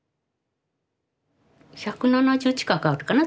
１７０近くあるかな？